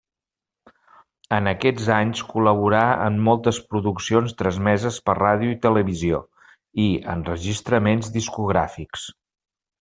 En aquests anys col·laborà en moltes produccions transmeses per ràdio i televisió i enregistraments discogràfics.